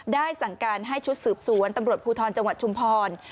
สั่งการให้ชุดสืบสวนตำรวจภูทรจังหวัดชุมพร